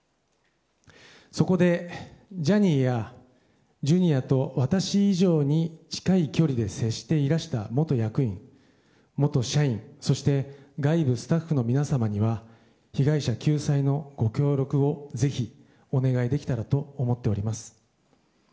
そこで、ジャニーやＪｒ．と私以上に近い距離で接していらした元役員元社員そして外部スタッフの皆様には被害者救済のご協力をぜひお願いできたらと思っております。